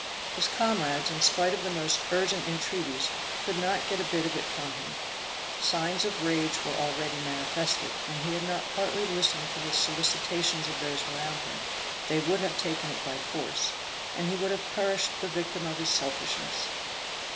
His comrades, in spite of the most urgent entreaties, could not get a bit of it from him. Signs of rage were already manifested, and had he not partly listened to the solicitations of those around him, they would have taken it by force, and he would have perished the victim of his selfishness.